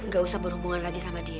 gak usah berhubungan lagi sama dia